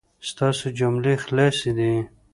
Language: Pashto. ستاسو جملې خلاصې دي